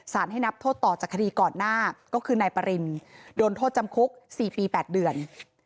ให้นับโทษต่อจากคดีก่อนหน้าก็คือนายปรินโดนโทษจำคุก๔ปี๘เดือน